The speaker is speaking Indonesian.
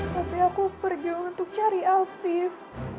tapi aku pergi untuk cari alfie